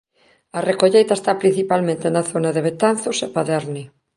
A recolleita está principalmente na zona de Betanzos e Paderne.